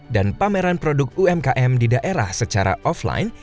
dan pameran produk umkm di daerah secara offline